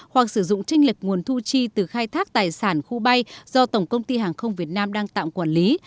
hoặc sử dụng tranh lực nguồn thu chi từ khai thác tài sản khu bay do tổng công ty hàng không việt nam đang tạm quản lý